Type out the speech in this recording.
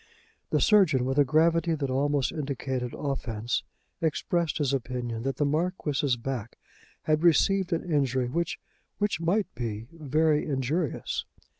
The surgeon, with a gravity that almost indicated offence, expressed his opinion that the Marquis's back had received an injury which which might be very injurious.